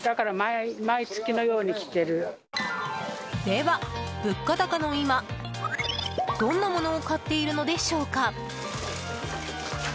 では物価高の今、どんなものを買っているのでしょうか。